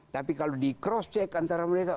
tapi kalau di cross check antara mereka